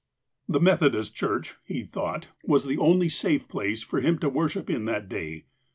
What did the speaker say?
The Methodist church was, he thought, the only safe place for him to worship in that day.